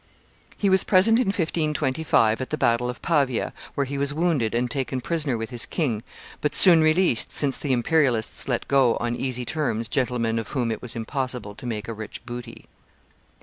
He was present in 1525 at the battle of Pavia, where he was wounded and taken prisoner with his king, but soon released, since the Imperialists let go on easy terms gentlemen of whom it was impossible to make a rich booty.